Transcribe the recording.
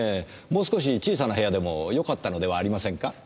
もう少し小さな部屋でもよかったのではありませんか？